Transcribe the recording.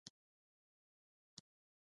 اختیار الدین کلا ډیره مشهوره ده